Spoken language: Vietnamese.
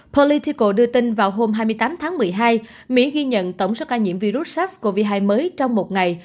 palitico đưa tin vào hôm hai mươi tám tháng một mươi hai mỹ ghi nhận tổng số ca nhiễm virus sars cov hai mới trong một ngày